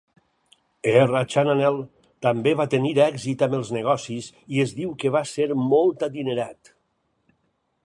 R. Chananel també va tenir èxit amb els negocis i es diu que va ser molt adinerat.